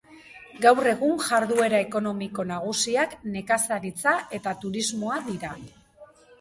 Gaur egun jarduera ekonomiko nagusiak nekazaritza eta turismoa dira.